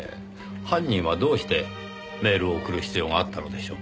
犯人はどうしてメールを送る必要があったのでしょう？